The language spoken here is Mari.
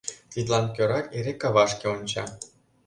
Тидлан кӧрак эре кавашке онча.